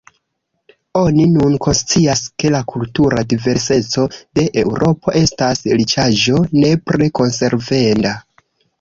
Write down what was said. Oni nun konscias, ke la kultura diverseco de Eŭropo estas riĉaĵo nepre konservenda.